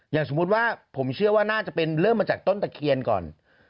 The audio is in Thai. สมมุติว่าผมเชื่อว่าน่าจะเป็นเริ่มมาจากต้นตะเคียนก่อน